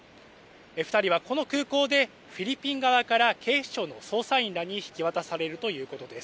２人はこの空港でフィリピン側から警視庁の捜査員らに引き渡されるということです。